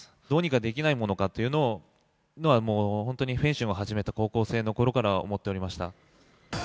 どうにかできない者かというのは、もう本当に、フェンシングを始めた高校生のころから思っておりました。